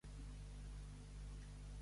Dur quatre esquitxos.